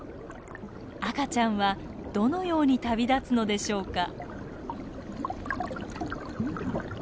赤ちゃんはどのように旅立つのでしょうか？